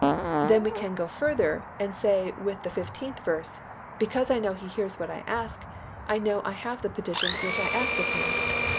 Then we can go further and say with the fifteenth verse, Because I know He hears what I ask, I know I have the petition which I asked of Him.